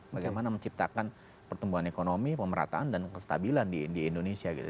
bagaimana menciptakan pertumbuhan ekonomi pemerataan dan kestabilan di indonesia gitu